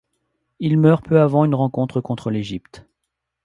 Il meurt peu avant une rencontre contre l'Égypte.